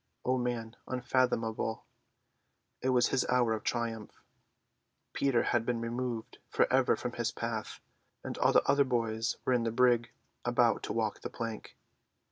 O man unfathomable. It was his hour of triumph. Peter had been removed for ever from his path, and all the other boys were in the brig, about to walk the plank.